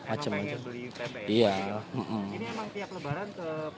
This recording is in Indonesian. ini emang tiap lebaran ke palembang